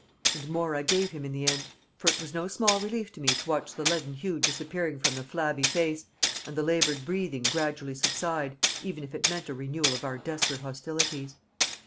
And more I gave him in the end; for it was no small relief to me to watch the leaden hue disappearing from the flabby face, and the laboured breathing gradually subside, even if it meant a renewal of our desperate hostilities.